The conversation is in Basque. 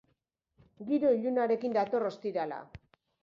Giro ilunarekin dator ostirala.